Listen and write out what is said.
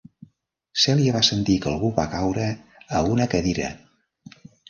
Celia va sentir que algú va caure a una cadira.